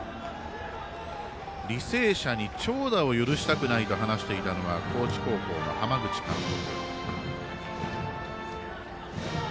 履正社に長打を許したくないと話していたのは高知高校の浜口監督。